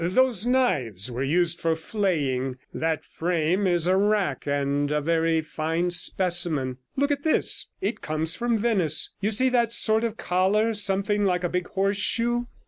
Those knives were used for flaying; that frame is a rack, and a very fine specimen. Look at this; it comes from Venice. You see that sort of collar, something like a big horseshoe?